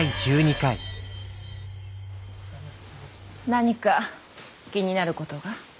何か気になることが？